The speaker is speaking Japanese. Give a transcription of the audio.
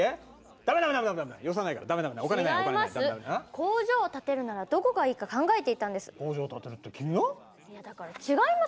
工場を建てるならどこがいいか考えていたんです。